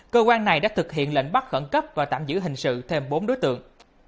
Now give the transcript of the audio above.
cơ quan này đã thực hiện lệnh bắt khẩn cấp và tạm giữ hình sự thêm bốn đối tượng